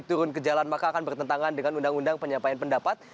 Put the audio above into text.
turun ke jalan maka akan bertentangan dengan undang undang penyampaian pendapat